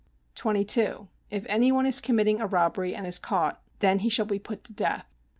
22. If any one is committing a robbery and is caught, then he shall be put to death.